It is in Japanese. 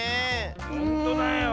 ほんとだよ。